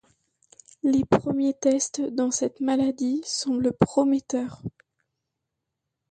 Les premiers tests dans cette maladie semblent prometteurs.